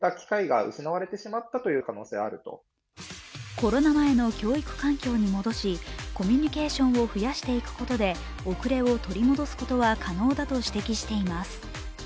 コロナ前の教育環境に戻しコミュニケーションを増やしていくことで遅れを取り戻していくことは可能だと指摘しています。